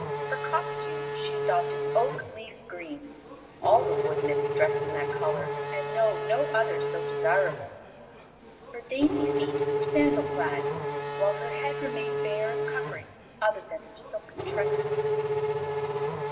For costume she adopted oak leaf green; all the wood nymphs dress in that color and know no other so desirable. Her dainty feet were sandal clad, while her head remained bare of covering other than her silken tresses.